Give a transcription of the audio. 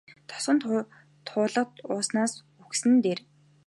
Тосон туулга ууснаас үхсэн нь дээр.